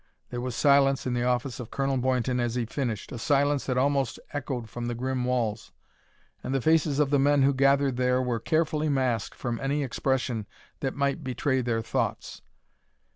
There was silence in the office of Colonel Boynton as he finished, a silence that almost echoed from the grim walls. And the faces of the men who gathered there were carefully masked from any expression that might betray their thoughts.